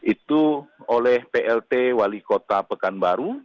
itu oleh plt wali kota pekanbaru